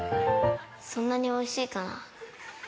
そんなにおいしいかな。